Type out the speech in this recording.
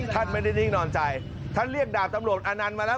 ท่านไม่ได้นิ่งนอนใจท่านเรียกดาบตำรวจอานันต์มาแล้ว